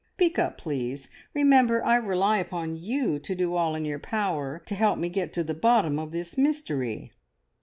Speak up, please! Remember I rely upon you to do all in your power to help me to get to the bottom of this mystery!"